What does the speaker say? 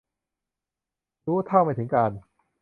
รู้เท่าไม่ถึงการณ์